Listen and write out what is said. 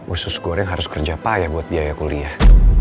usus goreng harus kerja payah buat biaya kuliah